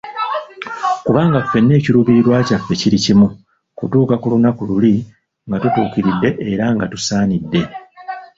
Kubanga ffenna ekiruubirirwa kyaffe kiri kimi, kutuuka ku lunaku luli nga tutuukiridde era nga tusaanidde.